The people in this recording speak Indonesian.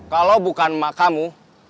kalau bukan emak kamu